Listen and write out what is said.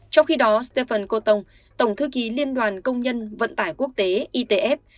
trong khi đó stefan cô tông tổng thư ký liên đoàn công nhân vận tải quốc tế itf